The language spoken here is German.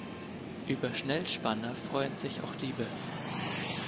Über Schnellspanner freuen sich auch Diebe.